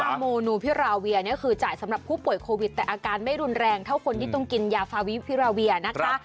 โมนูพิราเวียเนี่ยคือจ่ายสำหรับผู้ป่วยโควิดแต่อาการไม่รุนแรงเท่าคนที่ต้องกินยาฟาวิพิราเวียนะคะ